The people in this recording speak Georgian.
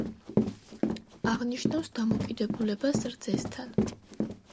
აღნიშნავს დამოკიდებულებას რძესთან.